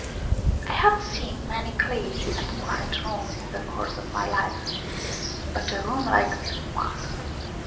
I had seen many clean and quiet rooms in the course of my life, but a room like that one